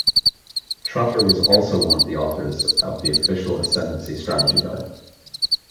Trotter was also one of the authors of the official Ascendancy strategy guide.